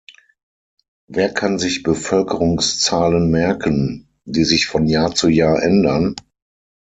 Wer kann sich Bevölkerungszahlen merken, die sich von Jahr zu Jahr ändern?